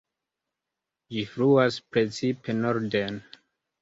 Ĝi fluas precipe norden.